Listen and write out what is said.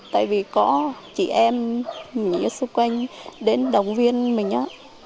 tại vì có chị em ở xung quanh đến đồng viên mình á